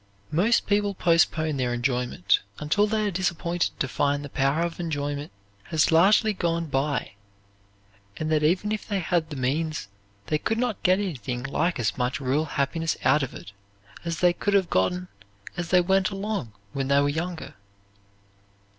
Most people postpone their enjoyment until they are disappointed to find the power of enjoyment has largely gone by and that even if they had the means they could not get anything like as much real happiness out of it as they could have gotten as they went along when they were younger.